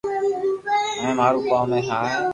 ھمي مارو ڪوم اي آ ھي